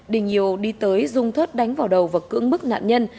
dinh hiu đi tới dùng thớt đánh vào đầu và cưỡng bức nạn nhân